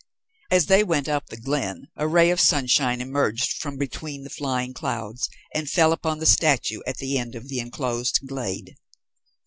As they went up the glen a ray of sunshine emerged from between the flying clouds, and fell upon the statue at the end of the enclosed glade.